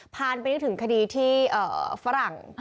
ผ่านไปได้ถึงคดีที่ฝรั่ง